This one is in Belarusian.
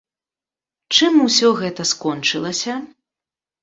Чым усё гэта скончылася?